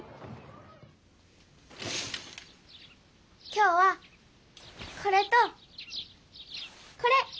きょうはこれとこれ！